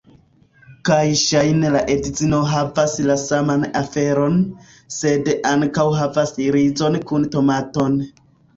Kaj ŝajne la edzino havas la saman aferon, sed ankaŭ havas rizon kun tomaton.